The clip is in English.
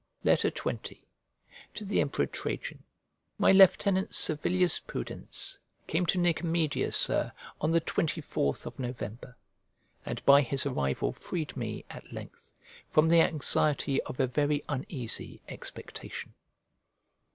XX To THE EMPEROR TRAJAN Mv lieutenant, Servilius Pudens, came to Nicomedia, Sir, on the 24th of November, and by his arrival freed me, at length, from the anxiety of a very uneasy expectation.